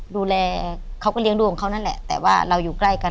ดูแลเขาก็เลี้ยงดูของเขานั่นแหละแต่ว่าเราอยู่ใกล้กัน